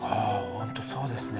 あ本当そうですね。